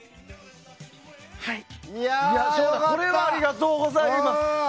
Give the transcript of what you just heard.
これはありがとうございます。